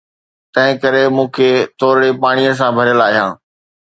تنهن ڪري، مون کي ٿورڙي پاڻيء سان ڀريل آهيان